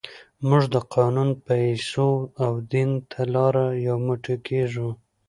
موږ د قانون، پیسو او دین له لارې یو موټی کېږو.